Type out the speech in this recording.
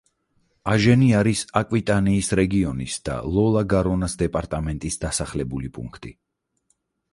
აჟენი არის აკვიტანიის რეგიონის და ლო და გარონას დეპარტამენტის დასახლებული პუნქტი.